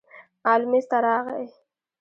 ال میز ته راغی.